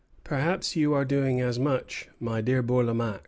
Perhaps you are doing as much, my dear Bourlamaque."